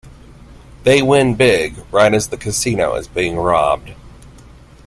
They win big, right as the casino is being robbed.